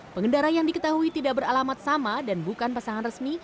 pengendara yang diketahui tidak beralamat sama dan bukan pasangan resmi